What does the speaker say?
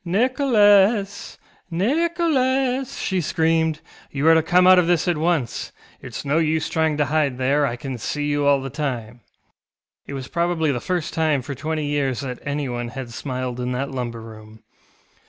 ŌĆ£Nicholas, Nicholas! ŌĆØ she screamed, ŌĆ£you are to come out of this at once. ItŌĆÖs no use trying to hide there; I can see you all the time. ŌĆØ It was probably the first time for twenty years that anyone had smiled in that lumber room.